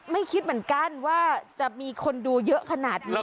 คิดเหมือนกันว่าจะมีคนดูเยอะขนาดนี้